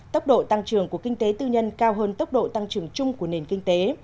tốc độ tăng trưởng của kinh tế tư nhân cao hơn tốc độ tăng trưởng chung của nền kinh tế